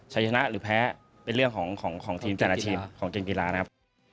ใช้ชนะหรือแพ้เป็นเรื่องของทีมแต่ละทีมของทีมกีฬานะครับ